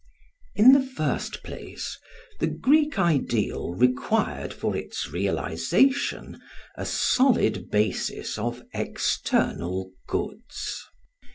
In the first place, the Greek ideal required for its realisation a solid basis of external Goods.